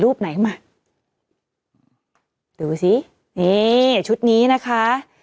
ดูสินี่ชุดนี้นะคะ